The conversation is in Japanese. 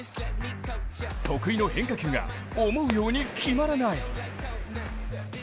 得意の変化球が思うように決まらない。